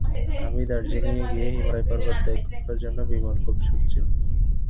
আমি জানি দার্জিলিঙে গিয়ে হিমালয় পর্বত দেখবার জন্যে বিমলের খুব শখ ছিল।